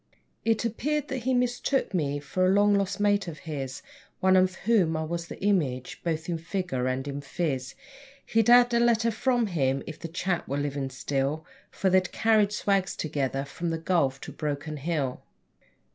It appeared that he mistook me for a long lost mate of his One of whom I was the image, both in figure and in phiz (He'd have had a letter from him if the chap were living still, For they'd carried swags together from the Gulf to Broken Hill.)